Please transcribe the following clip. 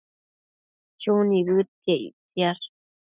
Chu nibëdquiec ictisash